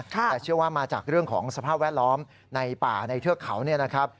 แต่เชื่อว่ามาจากเรื่องของสภาพแวดล้อมในป่าในเทือกเขาเนี่ยนะครับ